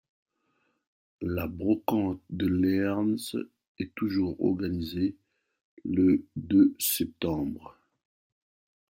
La brocante de Leernes est toujours organisée le de septembre.